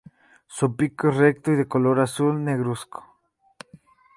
Su pico es recto y de color azul negruzco.